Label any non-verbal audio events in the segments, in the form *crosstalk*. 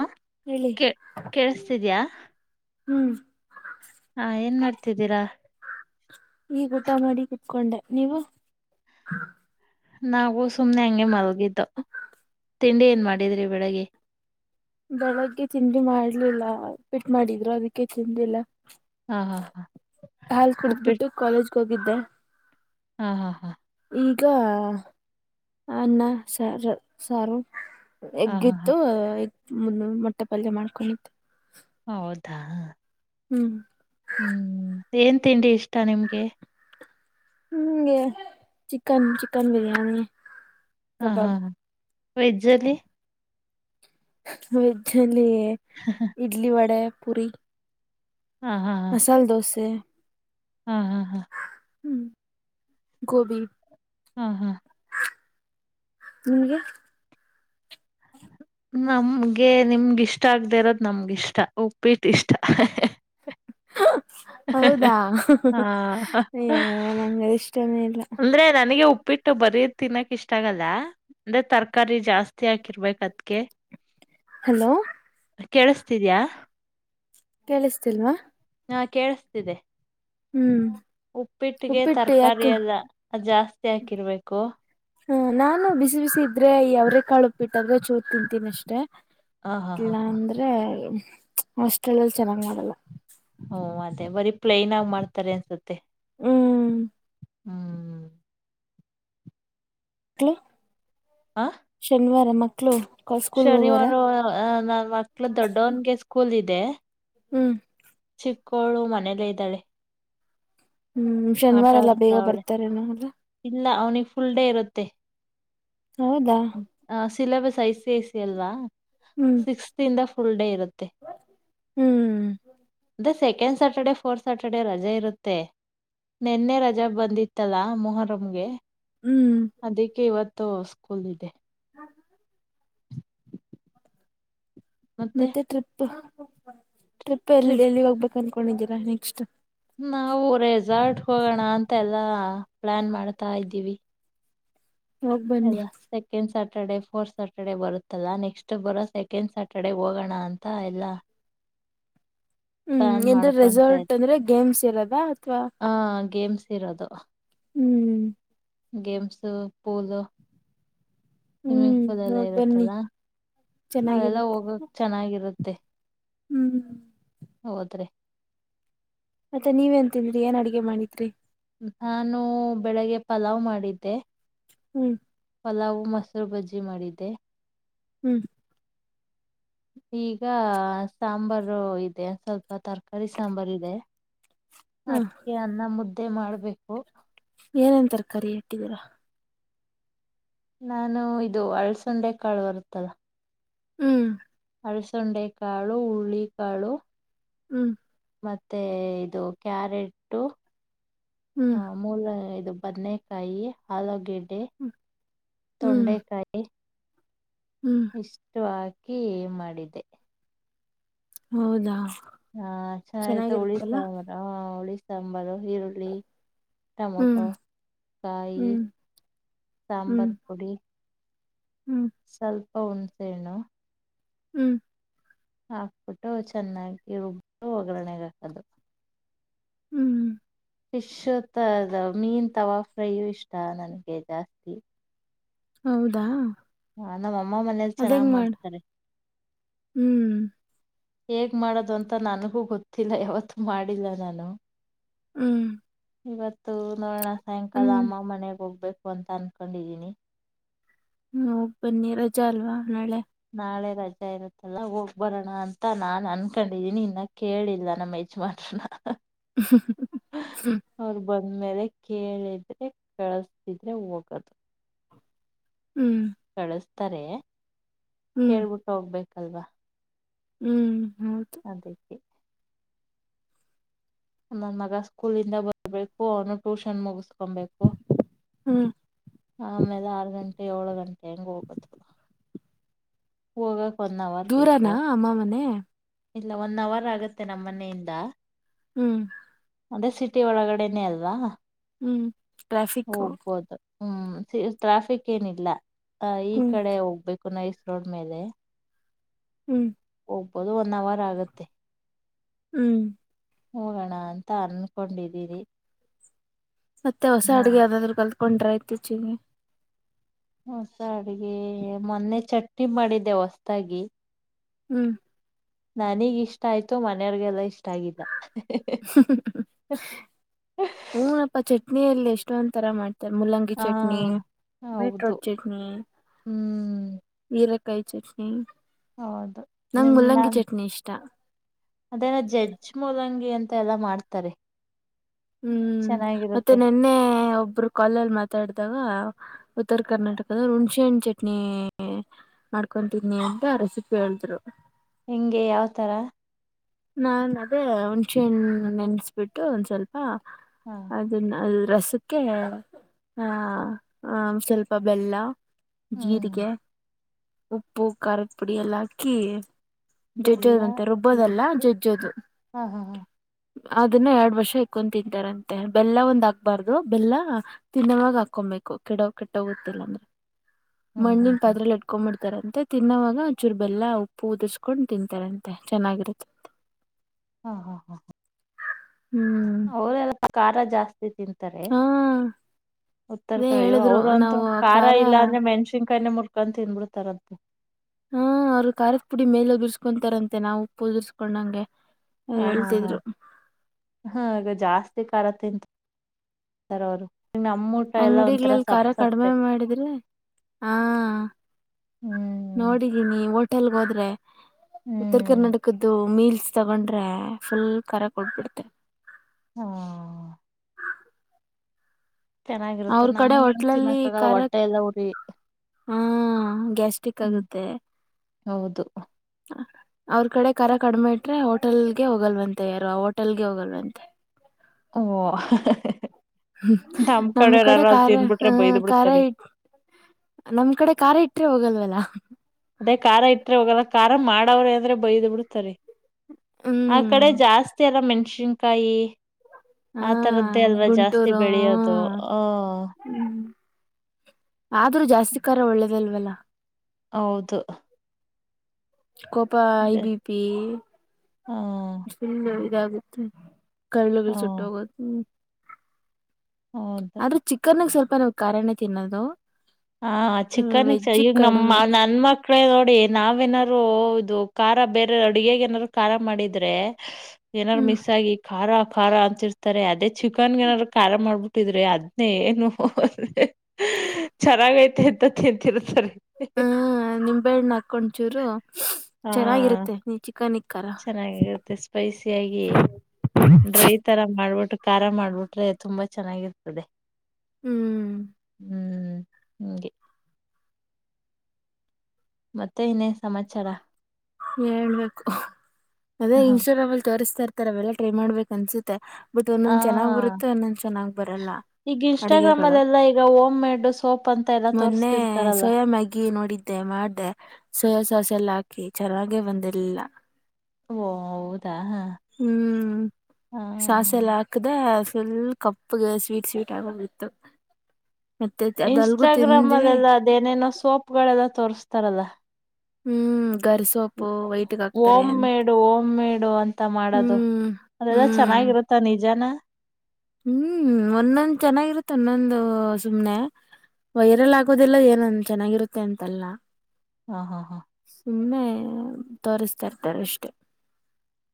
ಹ ಹೇಳಿ ಕೆ ಕೇಳಸ್ತಿದ್ಯಾ ಹ್ಮ್ ಹ ಏನ್ ಮಾಡ್ತಿದ್ದೀರಾ ಈ ಊಟ ಮಾಡಿ ಕುತ್ಕೊಂಡ ನೀವು ನಾವು ಸುಮ್ನೆ ಹಂಗೆ ಮಲ್ಗಿದ್ದು ತಿಂಡಿ ಏನ್ ಮಾಡಿದ್ರಿ ಬೆಳಗೆ ಬೆಳಗ್ಗೆ ತಿಂಡಿ ಮಾಡ್ಲಿಲ್ಲ ಉಪ್ಪಿಟ್ ಮಾಡಿದ್ರು ಅದಕ್ಕೆ ತಿಿಂದಿಲ್ಲ ಹಾ ಹಾ ಹಾ ಹಾಲ್ ಉಪ್ಪಿಟ್ಟ ಕುಡಿದ್ಬಿಟ್ಟು ಕಾಲೇಜ್ಗೆ ಹೋಗಿದ್ದೆ ಹಾ ಹಾ ಹಾ ಈಗ ಅನ್ನ ಸಾರ ಸಾರು ಹಾ ಹಾ ಹಾ ಎಗ್ಗಿತ್ತುಗ್ ಮು ಮೊಟ್ಟೆ ಪಲ್ಯ ಮಾಡ್ಕೊಂಡಿದೇ ಹ ಹೌದಾ ಹ್ಮ್ ಹ್ಮ್ ಏನ್ ತಿಂಡಿ ಇಷ್ಟ ನಿಮ್ಗೆ ಹ್ಮಗೆ ಚಿಕನ್ ಚಿಕನ್ ಬಿರಿಯಾನಿ ಹಾ ಹಾ ಕಬಾಬ್ ವೆಜ್ಜಲ್ಲಿ ವೆಜ್ಜ್ ಅಲ್ಲಿ ಇಡ್ಲಿ ವಡೆ ಪುರಿ ಹಾ ಹಾ ಮಸಾಲೆ ದೋಸೆ ಹಾ ಹಾ ಹಾ ಹ್ಮ್ ಗೋಬಿ ಹ್ಮ ಹಾ ನಿಮಗೆ ಹ ನಮ್ಗೆ ನಿಮ್ಗಿಷ್ಟ ಆಗದೆ ಇರೋದ್ ನಮ್ಗಿಷ್ಟ ಉಪ್ಪಿಟ್ಟ ಇಷ್ಟ ಹ ಹೌದಾ ಹಾ ಯವಾ ಅದು ನಂಗ ಇಷ್ಟನೇ ಇಲ್ಲ ಉಪಿಟ್ಟು ಬರೀ ತಿನ್ನಕ್ ಇಷ್ಟ ಆಗಲ್ಲ ಅಂದ್ರೆ ತರಕಾರಿ ಜಾಸ್ತಿ ಹಾಕಿರ್ಬೇಕ ಅದ್ಕ್ಕೆ *inaudible* ಹಲೋ ಕೇಳಸ್ತಿದ್ಯಾ ಕೇಳಿಸತಿಲ್ವಾ ನಾ ಕೇಳಿಸತಿದೆ ಹ್ಮ್ ಉಪ್ಪಿಟ್ಟಿಗೆ ಉಪ್ಪಿಟ್ಟು ಯಾಕೆ ತರಕಾರಿಯದ ಅ ಜಾಸ್ತಿ ಹಾಕಿರ್ಬೇಕು ಹ ನಾನು ಬಿಸಿ ಬಿಸಿ ಇದ್ರೆ ಅವ್ರೇ ಕಾಳು ಉಪ್ಪಿಟ್ಟು ಚೂರ್ ತಿಂತೀನಿ ಅಷ್ಟೇ ಹ ಹಾ ಹಾ ಇಲ್ಲ ಹಾ ಅಂದ್ರೆ ಹಸ್ಟೆಲ್ಲ್ಲಿ ಚೆನ್ನಾಗ ಮಾಡಲ್ಲ ಹಓ ಅದೇ ಬರೀ ಪ್ಲೈನ್ ಆಗಿ ಮಾಡ್ತಾರೆ ಅನ್ಸುತ್ತೆ ಹ್ಮ್ ಹ್ಮ್ *unintelligible* ಆ ಶನಿವಾರ ಮಕ್ಕಳು ಶನಿವಾರ ನನ್ ಮಕ್ಳ ದೊಡ್ಡವನ್ಗೆ ಸ್ಕೂಲ್ ಇದೆ ಹ್ಮ್ ಚಿಕ್ಕೋಳು ಮನೇಲ್ಲೇ ಇದ್ದಾಳೆ ಹ್ಮ್ ಆಟ ಶನಿವಾರ ಎಲ್ಲಾ ಬೇಗ ಆಡ್ತಾವಳೆ ಬರ್ತಾರೇನ ಅಲ್ಲ ಇಲ್ಲ ಅವ್ನಿಗೆ ಫುಲ್ ಡೇ ಇರುತ್ತೆ ಹೌದಾ syllabus I C I C ಅಲ್ವಾ ಹ್ಮ್ ಸಿಕ್ಸ್ತ್ ಇಂದ ಫುಲ್ ಡೇ ಇರುತ್ತೆ ಹ್ಮ್ *unintelligible* ಸೆಕೆಂಡ್ ಸ್ಯಾಟರ್ಡೆ ಫೋರ್ತ್ ಸ್ಯಾಟರ್ಡೆೇ ರಜೆ ಇರುತ್ತೆ ನೆನ್ನೆ ರಜಾ ಬಂದಿತ್ತಲಾ ಮೊಹರಂಗೆ ಹ್ಮ್ ಅದಕ್ಕೆ ಇವತ್ತು ತೋ ಸ್ಕೂಲ್ ಇದೆ ಮತ್ತೆ ಟ್ರಿಪ್ ಟ್ರಿಪ್ ಎಲ್ಲಿ ಎಲ್ಲಿ ಹೋಗ್ಬೇಕು ಅನ್ಕೊಂಡಿದ್ದೀರಾ ನೆಕ್ಸ್ಟ್ ನಾವು ರೆಸಾರ್ಟ್ ಹೋಗೋಣ ಅಂತ ಎಲ್ಲಾ ಪ್ಲಾನ್ ಮಾಡ್ತಾ ಇದ್ದೀವಿ ಹೋಗ್ ಬನ್ನಿ ಅದಾ ಸೆಕೆಂಡ್ ಸ ಸಟರ್ಡೆ ಫೋರ್ತ್ ಸ್ಯಾಟರ್ಡೆ ಬರುತ್ತಲ್ಲಾ ನೆಕ್ಸ್ಟ್ ಬರೋ ಸೆಕೆಂಡ್ ಸ್ಯಾಟರ್ಡೆ ಹೋಗೋಣ ಅಂತ ಎಲ್ಲ ಹ್ಮ್ ಪ್ಲಾನ್ ಎಂದ್ರೆ ಮಾಡ್ಕೊತ ರೆಸಾರ್ಟ್ ಅಂದ್ರೆ ಗೇಮ್ಸ್ ಇರೋದಾ ಅಥವಾ ಆ ಗೇಮ್ಸ್ ಇರೋದು ಹ್ಮ್ ಗೇಮ್ಸ್ ಪೂಲ್ ಸ್ವಿಮ್ಮಿಂಗ್ ಹ್ಮ್ ಪೂಲ್ ಎಲ್ಲ ಹೋಗ್ ಬನ್ನಿ ಇರುತ್ತಲ್ಲ ಅದೆಲ್ಲ ಚೆನ್ನಾಗಿರುತ್ತೆ ಹೋಗಕ್ ಚೆನ್ನಾಗಿರುತ್ತೆ *inaudible* ಹ್ಮ್ ಹೌದ್ರಿ ಮತ್ತೆ ನೀವ ತಿಂದರಿ ಏನ್ ಅಡಗೆ ಮಾಡಿದ್ರರಿ ನಾನು ಬೆಳಗ್ಗೆ ಪಲಾವ್ ಮಾಡಿದ್ದೆ ಹ್ಮ್ ಪಲಾವು ಮೊಸರು ಬಜ್ಜಿ ಮಾಡಿದ್ದೆ ಹ್ಮ್ *inaudible* ಈಗ ಸಾಂಬಾರು ಇದೆ ಸ್ವಲ್ಪ ತರಕಾರಿ ಸಾಂಬಾರ್ ಇದೆ ಹ ಅದ್ಕ್ಕೆ ಅನ್ನ ಮುದ್ದೆ ಮಾಡ್ಬೇಕು ಏನೇನ್ ತರಕಾರಿ ಇಟ್ಟಿದ್ದೀರಾ ನಾನು ಇದು ಅಳ್ಸಂಡೆ ಕಾಳು ಬರುತ್ತಲ್ಲ ಹ್ಮ್ ಅಲಸಂದೆ ಕಾಳು ಉಳ್ಳಿಕಾಳು ಹ್ಮ್ ಮತ್ತೆ ಇದು ಕ್ಯಾರೆಟ್ಮೂಲ ಹ್ಮ್ ಇದು ಬನ್ನೇಕಾಯಿ ಆಲೂಗೆಡ್ಡೆ ಹ್ಮ್ ತೊಂಡೆಕಾಯಿ ಹ್ಮ್ ಇಷ್ಟ ಹಕಿ ಏ ಮಾಡಿದೆ ಹೌದಾ ಹಾ ಚನ್ನ ಆಯ್ತು ಹುಳಿ ಚೆನ್ನಾಗಿರುತ್ತಲ್ಲ ಸಾಂಬಾರು ಹ ಹುಳಿ ಸಾಂಬಾರು ಈರುಳ್ಳಿ ಹ್ಮ್ ಟೊಮೊಟೊ ಕಾಯಿ ಹ್ಮ್ ಹ್ಮ್ ಸಾಂಬಾರ್ ಪೊಡಿ ಹ್ಮ್ ಸ್ವಲ್ಪ ಹುಣ್ಸೆಣು ಹ್ಮ್ ಹಾಕ್ಬಿಟ್ಟು ಚೆನ್ನಾಗಿ ರುಬ್ ಒಗ್ರಣೆೆಗೆ ಹಕದು ಹ್ಮ್ ಫಿಶ್ ಮೀನ್ ತವಾ ಫ್ರೈಯು ಇಷ್ಟ ನನಗೆ ಜಾಸ್ತಿ ಹೌದಾ ಹಾ ನಮ್ಮ ಅಮ್ಮ ಮನೇಲಿ ಅದ್ ಚೆನ್ನಾಗಿ ಹೆಂಗ್ ಮಾಡ ಮಾಡ್ತಾರೆ ಹ್ಮ್ ಹೇಗ್ ಮಾಡೋದು ಅಂತ ನನಗೂ ಗೊತ್ತಿಲ್ಲ ಯಾವತ್ತುೂ ಮಾಡಿಲ್ಲ ನಾನು ಹ್ಮ್ ಇವತ್ತು ನೋಡೋಣ ಸಾಯಂಕಾಲ ಹ್ಮ್ ಅಮ್ಮ ಮನೆಗ್ ಹೋಗ್ಬೇಕು ಅಂತ ಅನ್ಕೊಂಡಿದೀನಿ ಹ್ಮ ಹೋಗ್ ಬನ್ನಿ ರಜಾ ಅಲ್ವಾ ನಾಳೆ ನಾಳೆ ರಜೆ ಇರುತ್ತಲ್ಲ ಹೋಗ್ ಬರೋಣ ಅಂತ ನಾನನ್ ಅನ್ಕೊಂಡಿದ್ದೀನಿ ಇನ್ನ ಕೇಳಿಲ್ಲ ನಮ್ಮ ಯಜಮಾನ್ ಹ್ಮ ಒ್ಮಲೆ ಕೇಳಿದ್ರೆ ಕಳಸ್ತಿದ್ರೆ ಹೋಗದು ಹ್ಮ್ ತ್ತರೆ ಹ್ಮ್ ಹೇಳ್ಬಿಟ್ಟು ಹೋಗ್ಬೇಕಲ್ವಾ ಹ್ಮ್ ಹೌದು ಹದ ನನ್ ಮಗ ಸ್ಕೂಲ್ಂದ ಬರ್ಬೇಕು ಅವನು ಟ್ಯೂಷನ್ ಮುಗಿಸು ಕೊಬೇಕು ಹ್ಮ್ ಆ ಆಮೇಲೆ ಆರ್ ಗಂಟೆ ಏಳು ಗಂಟೆ ತೆಂಗುಕಥ ಹೋಗ ದೂರನಾ ಅಮ್ಮ ಮನೆ ಇಲ್ಲ ಒನ್ ಅವರ್ ಆಗತ್ತೆ ನಮ್ಮ್ ಮನೆಯಿಂದ ಹ್ಮ್ ಅದೇ ಸಿಟಿ ಒಳಗಡೆನೇ ಅಲ್ವಾ ಹ್ಮ್ ಟ್ರಾಫಿಕು ಹೋಗ್ಬೋದು ಹ್ಮ್ ಟ್ರಾಫಿಕ್ ಏನಿಲ್ಲ ಈ ಹ್ಮ್ ಕಡೆ ಹೋಗ್ಬೇಕು ನೈಸ ರೋಡ್ಮೇಲೆ ಹ್ಮ್ ಹೋಗ್ಬೋದು ಒನ್ ಅವರ್ ಆಗತ್ತೆ ಹ್ಮ್ ಹೋಗೋಣ ಅಂತ ಅನ್ಕೊಂಡಿದ್ದೀರಿ. ಮತ್ತೆ ಹೊಸ ಅಡ್ಗೆ ಯಾವ್ದಾದ್ರು ಕಲ್ತ್ಕೊಂಡ್ ಇತ್ತೀಚಿಗಿ. ಹೊಸ ಅಡ್ಗೆ ಮೊನ್ನೆ ಚಟ್ನಿ ಮಾಡಿದ್ದೆ ಹೊಸದಾಗಿ. ಹ್ಮ್ ನನಗ್ ಇಷ್ಟ ಆಯ್ತು ಮನೆಯವಗೆಲ್ಲಾ ಇಷ್ಟ ಆಗಿಲ್ಲ ಹಊನಪ್ಪ ಚ ಚಟ್ನಿಯಲ್ಲಿ ಎಷ್ಟೊಂದ ತರ ಮಾಡ್ತಾರೆ ಮೂಲ್ಲಂಗಿ ಹಾ ಚಟ್ನಿ ಹೌದು ಬೀಟ್ರೂಟ್ ಚಟ್ನಿ ಹ್ಮ್ ಸೀರಕಾಯಿ ಚಟ್ನಿ ಹೌದು ನಂಗ್ ಮಲ್ಲಂಗಿ ಚಟ್ನಿ ಇಷ್ಟ ಅದನ ಜಜ್ ಮೂಲಂಗಿ ಅಂತ ಎಲ್ಲಾ ಮಾಡ್ತಾರೆ ಹ್ಮ್ ಮತ್ತೆ ಚೆನ್ನಾಗಿರುತ್ತೆ ನಿನ್ನೆ ಒಬ್ರು ಕಲ್ಲಲ್ಲಿ ಮಾತಾಡಿದಾಗ ಉತ್ತರ ಕರ್ನಾಟಕದ ಹುಣಸೆಹಣ್ಣು ಚಟ್ನಿ ಮಾಡ್ಕೊತಿದನಿ ಅಂತ ರೆಸಿಪಿ ಹೇಳಿದ್ರು ನಿಂಗೆ ಯಾವ್ತರ. ನಾ ಅದೇ ಹುಣ್ಚೆ ನೆನ್ಸ್ಬಿಟ್ಟು ಒಂದ್ ಸ್ವಲ್ಪ ಹಾ ಹಾ ಅದನ್ನ ಅ ರಸಕ್ಕೆ ಹ ಸ್ವಲ್ಪ ಬೆಲ್ಲ, ಹ್ಮ್ ಜೀರಿಗೆ, ಉಪ್ಪು, ಖಾರದ, ಪುಡಿ, ಎಲ್ಲ ಹಾಕಿ, ಜಜ್ಜೋದು ಬೆಲ್ಲ ಅದಂತೆ ರೊಬ್ಬೋದಲ್ಲ ಜೀರಿಗೆ ಜಜೋದು. ಹಾ ಹಾ ಹಾ ಅದನ್ನ ಎರಡ್ ವರ್ಷ ಇಕೊಂಡ್ ತಿಂತಾರಂತೆ. ಬೆಲ್ಲ ಒಂದ್ ಹಾಕ್ಬಾರ್ದು ಬೆಲ್ಲ ತಿನ್ನೋವಾಗ ಹಾಕೊ ಬೇಕು ಕೇಡ ಕೆಟ್ಟಹೋಗುತ್ತೆ ಅಂದ್ರೆ ಹ್ಮ್ ಮಣ್ಣಿನ ಹ್ಮ್ ಹ್ಮ್ ಪಾತ್ರೆ ಇಕೊಂಡ್ ತಾರಂತೆ ತಿನ್ನವಾಗ ಅಚೂರು ಬೆಲ್ಲ ಉಪ್ಪು ಉದುರ್ಸ್ಕೊಂಡು ತಿಂತಾರಂತೆ ಚೆನ್ನಾಗಿರುತ್ತೆ. ಹಾ, ಹಾ, ಹಾ, ಹಾ ಹ್ಮ್ ಅವರು ಎಲ್ಪ ಖಾರ ಜಾಸ್ತಿ ತಿಂತಾರೆ. ಹಾ ಉತ್ತರ ಅದೇ ಕಾಯಿಯೋ ಹೇಳಿದ್ರು ಅವರು ಅಂತ ನಾವು ಖಾರ ಇಲ್ಲ ಅಂದ್ರೆ ಮೆಣ್ಸಿನ್ಕಾಯೆ ಮುರ್ಕಂತ ತಿಂದಬಿಡ್ತಾರಂತೆ. ಹ್ಮ ಅವ್ರು ಖಾರದ ಪುಡಿ ಮೇಲೆ ಉದುರ್ಸ್ಕೊಂತಾರಂತೆ. ನಾವು ಉಪ್ಪು ಉದುರ್ಸ್ಕೊಂಡಂಗೆ, ಅವ್ರು ಹಾ ಹಾ ಹಾ ಹೇಳ್ತಿದ್ರು ಹಾಗ ಜಾಸ್ತಿ *unintelligible* ಎಲ್ಲ ಒಂಥರ ಅಂಗಡಿಗಳಲ್ಲಿ ಸಪ್ ಖಾರ ಕಡಿಮೆ ಸಪ್ಪೆ ಮಾಡಿದ್ರಿ ಹಾ, ಹ್ಮ್ ನೋಡಿದೀನಿ ಹೋಟೆಲ್ಗೆ ಹೋದ್ರೆ ಉತ್ತರ ಹ್ಮ್ ಕರ್ನಾಟಕದ್ದು ಮೀಲ್ ಲ್ಸ್ ತಗೊಂಡ್ರೆ ಫುಲ್ ಕಾರಾ ಕೊಟ್ಟುಬಿಡ್ತಾರೆ. ಹಾ, ಚೆನ್ನಾಗಿರುತ್ತೆ ಅವ್ರ ಕಡೆ ನಮ್ಗಂಗ ಹೋಟ್ಲಲ್ಲಿ ತಿನ್ನಕ್ಕ ಆಗಲ್ಲ ಖಾರ ಹೊಟ್ಟೆ ಎಲ್ಲ ಉರಿ. ಹಾ ಗ್ಯಾಸ್ಟ್ರಿಕ್ ಹ್ಮ್ ಆಗುತ್ತೆ. ಹೌದು. ಅವ್ರ ಕಡೆ ಕರ ಕಡಿಮೆಟ್ರೆ ಹೋಟೆಲ್ಗೆ ಹೋಗಲ್ವಂತೆ ಯಾರು ಆ ಹೋಟೆಲ್ಗೆ ಹೋಗಲ್ವಂತೆ. ಓ, ನಮ್ ಕಡೆವ್ರ ಕಡೆ ಯಾರ ಖಾರ ಹ ತಿನ್ಬಿಟ್ರೆ ಬೈದ್ ಖಾರ ಬಿಡ್ತಾರೆ ಇ ನಮ್ ಕಡೆ ಖಾರ್ ಇಟ್ರೆ ಹೋಗಲ್ವಲ್ಲ ಅದೇ ಖಾರಾ ಇಟ್ಟ್ರೆ ಹೋಗಲ್ಲ ಖಾರ ಮಾಡವ್ರೆ ಅಂದ್ರೆ ಬೈದ್ ಬಿಡ್ತಾರೆ. ಆ ಕಡೆ ಹ್ಮ್ ಜಾಸ್ತಿ ಅಲ್ಲ ಮೆಣಸಿನ್ಕಾಯಿ. ಹಾ ಆ ತರದ್ದೇ ಅಲ್ವಾ ಜಾಸ್ತಿ ಗುಂಟೂರು ಬೆಳೆಯೋದು ಹ. *inaudible* ಹ್ಮ ಆದ್ರೂ ಜಾಸ್ತಿ ಖರ ಒಳ್ಳೇದಲ್ವಲ್ಲ. ಹೌದು. ಕೋಪ ಐ ಬಿ ಪಿ ಹ ಫುಲ್ ಇದಾಗುತ್ತೆ. ಕರಳುಗಳು ಸುಟ್ಟ ಹ ಹೋಗೋದು ಹ್ಮ. ಹೌದ ಆದ್ರೆ ಚಿಕನ್ಗ್ ಸ್ವಲ್ಪ ನ್ ಕಾರಣ ತಿನ್ನೋದು. ಹಾ ಚಿಕನಗ್ ಚ ವೆಜ್ ಈಗ ನಮ್ಮ ಕಡಿಮೆ ನನ್ ಮಕ್ ನೋಡಿ ನಾವ ಎನಾರು ಇದು ಖಾರ ಬೇರೆ ಅಡುಗೆಗೆ ನಾದಾರರು ಖಾರ ಮಾಡಿದ್ರೆ, ಏನಾರು ಹ್ಮ್ ಮಿಸ್ ಆಗಿ. ಖಾರ ಖಾರ ಅಂತಿರ್ತಾರೆ ಅದೇ ಚಿಕನ್ ಏನಾದಾರ ಖಾರ ಮಾಡ್ಬಿಟ್ಟಿದ್ರಿ ಅದ್ನೇ ಏನು, ಹ *inaudible* ಚೆನ್ನಾಗ ಐತೆ ಅಂತ ತಿಂತಿರತಾರೇ ಹ್ಮ್ ನಿಂಬೆಣ್ಣ ಹಾಕ್ಕೊಂಡ್ ಚೂರು ಹಾ ಚೆನ್ನಾಗಿರುತ್ತೆ ನೀ ಚಿಕನ್ ಇಕ್ಕಾರ ಚೆನ್ನಾಗಿರುತ್ತೆ ಸ್ಪೈಸಿಯಾಗಿ ಡ್ರೈ ತರ ಮಾಡ್ಬಿಟ್ಟು. ಖಾರ ಮಾಡ್ಬಿಟ್ರೆ ತುಂಬಾ ಚೆನ್ನಾಗಿರ್ತದೆ ಹ್ಮ್ ಹ್ಮ್. ಹಂಗೆ. ಮತ್ತೆ ಇನೇನಾ ಸಮಾಚಾರ. ಹೇಳ್ಬೇಕು ಅದೇ ಹ ಇನ್ಸೂರ್ವೆಲ್ ತೋರಿಸತಾ ಇರ್ತ. ಈ ತರವೆೆಲ್ಲ ಟ್ರೈ ಮಾಡ್ಬೇಕ ಅನ್ಸುತ್ತೆ ಬಟ್ ಒಂದೊಂದ್ ಚೆನ್ನ್ ಹಾ ಬರುತ್ತೆ ಒಂದೊಂದ್ ಚೆನ್ನಾಗ್ ಬರಲ್ಲ. ಈಗ ಇನ್ಸ್ಟಾಗ್ರಾಮ್ ಅಡಿಗೆಗಳು ಅಲ್ಲೆಲ್ಲಾ ಈಗ ಹೋಮ್ ಮೇಡ್ ಸೋಪ್ ಅಂತ ಎಲ್ಲಾ ಮೊನ್ನೆ ತೋರ್ಸ್ತಿರ್ತಾರಲ್ಲ ಸೋಯಾ ಮ್ಯಾಗಿ ನೋಡಿದ್ದೆ. ಮಾಡ್ದೆ ಸೊಹಸಾಸಲ್ ಹಾಕಿ ಚೆನ್ನಾಗೆ ಬಂದಿರ್ಲಿಲ್ಲ ಓ ಹೌದು ಹ್ಮ್ ಸಾಸ ಎಲ್ಲ ಹಾಕ್ದ ಎಲ್ ಕಪ್ಪಗೆ ಸ್ವೀಟ್ ಸ್ವೀಟ್ ಆಗ ಹೋಗಿತ್ತು ಇನ್ಸ್ಟಾಗ್ರಾಮ್ ಅಲ್ಲೆಲ್ಲ ಅದೇನೇನೋ ಸೋಪ್ಗಳೆಲ್ಲ ತೋರ್ಸ್ತಾರಲ್ಲ ಹ್ಮ್ ಹ್ಮ್ ಗರ್ ಸೊಪು ವೈಟ್ಗ ಹಾಕ್ತಾರೆ ಓಮ್ ಅಂತ ಮೇಡು ಓಮ್ ಮೇಡು ಹ್ಮ್ ಹ್ಮ ಚೆನ್ನಾಗಿರುತ್ತಾ ನಿಜಾನ ಹ್ಮ್ ಒಂದೊಂದ್ ಚೆನ್ನಾಗಿರುತ್ತೆ ಒಂದೊಂದು ಸುಮ್ನೆ ವೈರಲ್ ಆಗೋದಿಲ್ಲ ಏನ ಚೆನ್ನಾಗಿರುತ್ತೆ ಅಂತಲ್ಲ. ಹಾ ಹಾ ಹಾ ಸುಮ್ನೆ ತೋರಿಸ್ತಾ ಇರ್ತಾರೆ ಅಷ್ಟ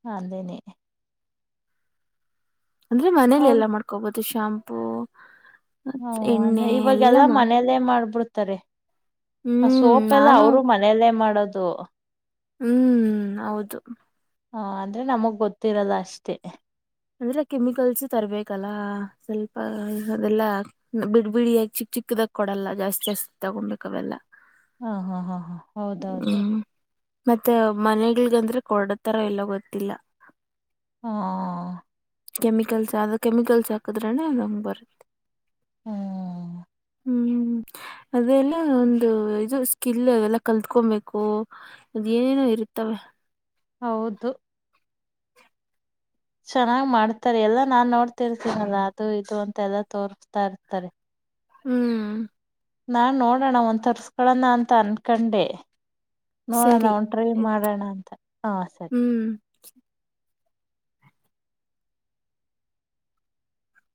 ಹದೇನೆ ಅಂದ್ರೆ ಮನೇಲಿ ಅವ್ರ ಎಲ್ಲಾ ಮಾಡ್ಕೋಬಹುದು ಶಾಂಪೂ ಹ ಮತ್ ಅಂದ ಎಣ್ಣೆ ಎಲ್ಲಾ ಇವಾಗೆಲ್ಲಾ ಮಾಡು ಮನೆಯಲ್ಲೇ ಮಾಡ್ಬಿಡ್ತಾರೆ ಆ ಹ್ಮ್ ಸೋಪ್ ಎಲ್ಲ ನಾನು ಅವರು ಮನೆಯಲ್ಲೇ ಮಾಡೋದು ಹ್ಮ್ ಹೌದು ಹ ಅಂದ್ರೆ ನಮಗ್ ಗೊತ್ತಿರಲ್ಲ ಅಷ್ಟೇ ಅಂದ್ರೆ ಕೆಮಿಕಲ್ಸ್ ತರ್ಬೇಕಲ್ಲ ಸ್ವಲ್ಪ ಅದೆಲ್ಲಾ ಬಿಡ್ ಬಿಡಿ ಆಗಿ ಚಿಕ್ ಚಿಕ್ ಸಿಕ್ಕದಾಗ ಕೊಡಲ್ಲ ಜಾಸ್ತಿ ಜಾಸ್ತಿ ತಗೊಬೇಕ ಅವೆಲ್ಲ ಹಾ ಹಾ ಹಾ ಹಾ ಹೌದೌಹೌದು ಹ್ಮ್ ಮತ್ತೆ ಮನೆಗಳಗಂದ್ರೆ ಕೊಡತಾರ ಇಲ್ಲ ಗೊತ್ತಿಲ್ಲ ಹಾ ಕೆಮಿಕಲ್ಸ್ ಆದ ಕೆಮಿಕಲ್ಸ್ ಹಾಕದ್ರನ ಅದಂಗ ಬರುತ್ತೆ ಹ್ಮ ಹ್ಮ್ ಅದೆಲ್ಲ ಒಂದು ಇದು ಸ್ಕಿಲ್ ಅವೆ ಎಲ್ಲ ಕಲ್ತ್ಕೊಬೇಕು ಅದ ಏನೇನೋ ಇರುತ್ತ. ಹ ಹೌದು ಚೆನ್ನಾಗ್ ಮಾಡ್ತಾರೆ ಎಲ್ಲಾ ನಾನ್ ನೋಡ್ತಿರ್ತೀನಲ್ಲ ಅದು ಇದು ಅಂತ ತೆಲ್ಲ ತೋರಿಸ್ತಾ ಇರ್ತಾರೆ ಹ್ಮ್ ನಾನ್ ನೋಡೋಣ ಒಂದ ತರ್ಸ್ಕೊಳೋಣ ಅಂತ ಅನ್ಕಂಡೆ ನೋಡೋಣ ಸರಿ ಒನ್ ಟ್ರೈ ಆಯ್ತ್ ಮಾಡೋಣ ಅಂತ ಹಾ ಸರಿ ಹ್ಮ್